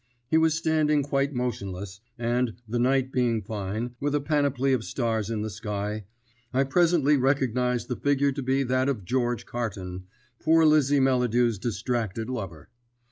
He was standing quite motionless, and, the night being fine, with a panoply of stars in the sky, I presently recognised the figure to be that of George Carton, poor Lizzie Melladew's distracted lover.